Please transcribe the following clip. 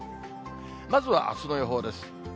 まずはあすの予報です。